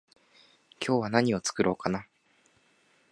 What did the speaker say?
今日は何を作ろうかな？